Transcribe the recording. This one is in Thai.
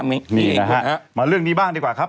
นี่นะฮะมาเรื่องนี้บ้างดีกว่าครับ